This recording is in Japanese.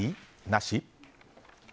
なし？